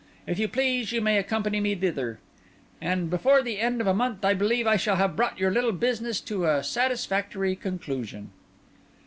If you please, you may accompany me thither. And before the end of a month I believe I shall have brought your little business to a satisfactory conclusion."